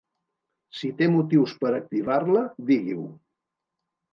Si té motius per activar-la, digui-ho.